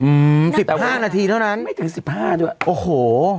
อืมสิบห้านาทีเท่านั้นไม่ถึงสิบห้าด้วยโอ้โห